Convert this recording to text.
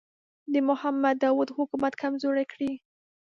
د محمد داوود حکومت کمزوری کړي.